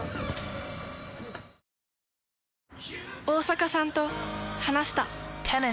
大坂さんと話した。